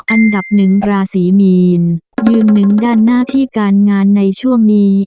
อันดับหนึ่งราศีมีนยืนหนึ่งด้านหน้าที่การงานในช่วงนี้